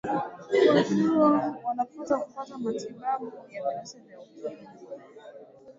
waathirika wanapaswa kupata matibabu ya virusi vya ukimwi